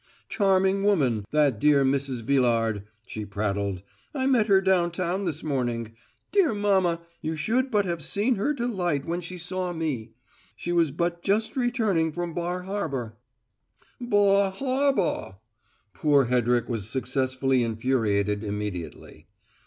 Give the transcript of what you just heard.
Charming woman, that dear Mrs. Villard, she prattled. "I met her downtown this morning. Dear mamma, you should but have seen her delight when she saw me. She was but just returned from Bar Harbor " "`Baw hawbaw'!" Poor Hedrick was successfully infuriated immediately.